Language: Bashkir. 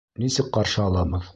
Нисек ҡаршы алабыҙ?